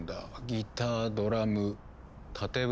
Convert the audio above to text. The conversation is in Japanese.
ギタードラム縦笛。